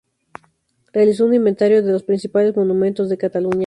Realizó un inventario de los principales monumentos de Cataluña.